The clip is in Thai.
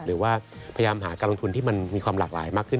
หรือว่าพยายามหาการลงทุนที่มันมีความหลากหลายมากขึ้น